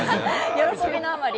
喜びのあまり。